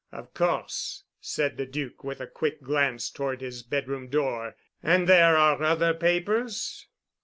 Of course," said the Duc with a quick glance toward his bedroom door. "And there are other papers?"